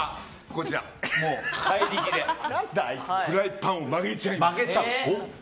こちら、怪力でフライパンを曲げちゃいます。